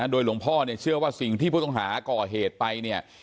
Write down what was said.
โดยหลวงพ่อเนี่ยเชื่อว่าสิ่งที่ผู้ต้องหาก่อเหตุไปเนี่ย